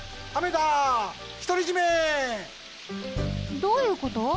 どういうこと？